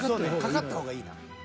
［かかった方がいいな］